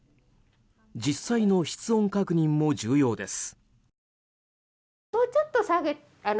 実際の室温確認も重要です。